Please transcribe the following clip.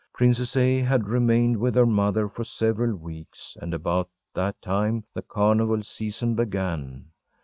Princess A. had remained with her mother for several weeks, and about that time the carnival season began.